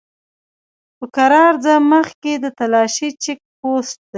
په کرار ځه! مخکې د تالاشی چيک پوسټ دی!